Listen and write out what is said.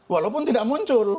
walaupun tidak muncul